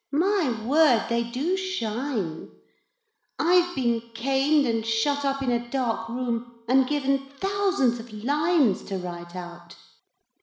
My word, they do shine. I've been caned and shut up in a dark room and given thousands of lines to write out.'